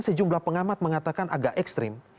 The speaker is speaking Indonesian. sejumlah pengamat mengatakan agak ekstrim